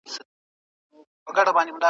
ايا سياستپوهنه د سياسي قدرت پېژندنه نه ده؟